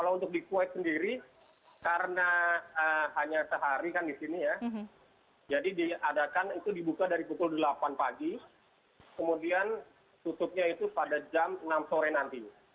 kalau untuk di kuwait sendiri karena hanya sehari kan di sini ya jadi diadakan itu dibuka dari pukul delapan pagi kemudian tutupnya itu pada jam enam sore nantinya